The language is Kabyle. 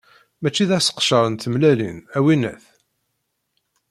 Mačči d aseqcer n tmellalin, a winnat.